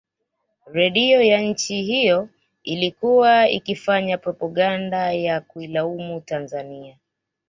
Redio ya nchi hiyo ilikuwa ikifanya propaganda ya kuilaumu Tanzania